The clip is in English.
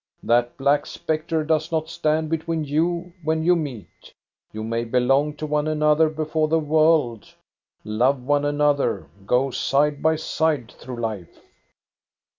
That black spectre does not stand between you when you meet. You may belong to one another before the world, love one another, go side by side through life."